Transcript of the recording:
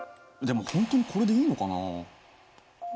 でも本当にこれでいいのかな？